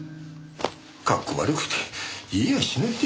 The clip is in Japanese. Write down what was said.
かっこ悪くて言えやしないでしょう。